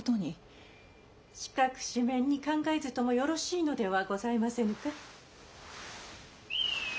・四角四面に考えずともよろしいのではございませぬか？